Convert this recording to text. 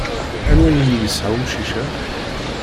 Anwa yini isεa umcic-a?